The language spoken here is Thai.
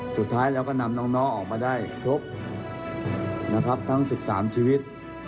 สุดท้ายเราก็นำน้องออกมาได้ทุก๑๓ชีวิต